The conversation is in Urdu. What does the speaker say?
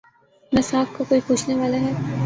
نہ ساکھ کا کوئی پوچھنے والا ہے۔